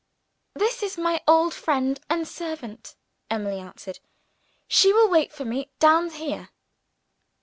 "This is my old friend and servant," Emily answered. "She will wait for me down here."